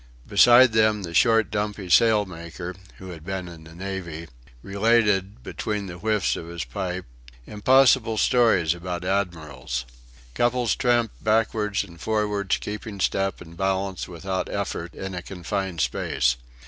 Beside them the short, dumpy sailmaker who had been in the Navy related, between the whiffs of his pipe, impossible stories about Admirals. Couples tramped backwards and forwards, keeping step and balance without effort, in a confined space.